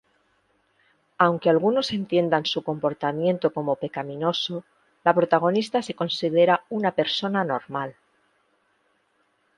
Aunque algunos entiendan su comportamiento como pecaminoso, la protagonista se considera una persona "normal".